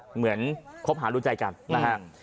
เหมือนคบหาดูใจกันนะฮะ